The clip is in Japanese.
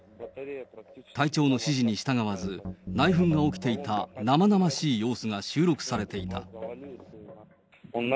隊長の指示に従わず、内紛が起きていた生々しい様子が収録されていた。